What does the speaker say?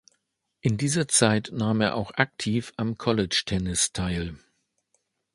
In dieser Zeit nahm er auch aktiv am College Tennis teil.